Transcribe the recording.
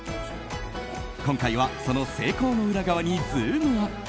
今回はその成功の裏側にズームＵＰ！